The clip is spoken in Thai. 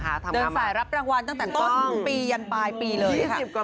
ทำงานมาเดินสายรับรางวัลตั้งแต่ต้นปียันปลายปีเลยค่ะ